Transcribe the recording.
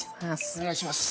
お願いします。